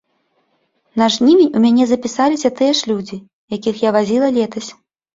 На жнівень у мяне запісаліся тыя ж людзі, якіх я вазіла летась.